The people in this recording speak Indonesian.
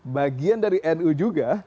bagian dari nu juga